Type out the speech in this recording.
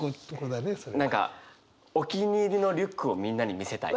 何かお気に入りのリュックをみんなに見せたい。